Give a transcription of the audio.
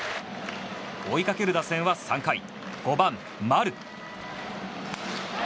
追いかける打線は３回５番、丸。